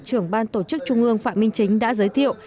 trưởng ban tổ chức trung ương phạm minh chính đã giới thiệu